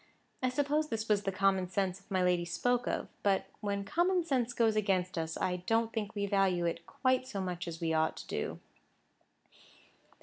I suppose this was the common sense my lady spoke of; but when common sense goes against us, I don't think we value it quite so much as we ought to do.